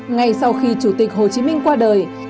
ngay sau khi chủ tịch hồ chí minh qua đời